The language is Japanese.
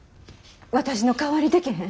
私の代わりできへん？